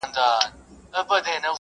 کله چې زه کار کوم، نو موبایل مې بند وي.